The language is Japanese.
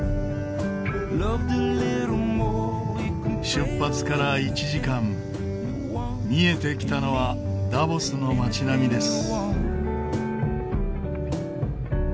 出発から１時間見えてきたのはダボスの町並みです。